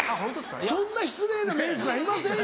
そんな失礼なメイクさんいませんよ。